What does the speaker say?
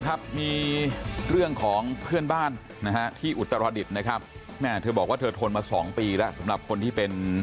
ครับมีเรื่องของเพื่อนบ้านนะฮะที่อุตรดิษฐ์นะครับแม่เธอบอกว่าเธอทนมาสองปีแล้วสำหรับคนที่เป็น